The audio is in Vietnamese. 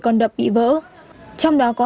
con đập bị vỡ trong đó có